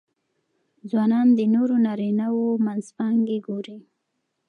ځوانان د نورو نارینهوو منځپانګې ګوري.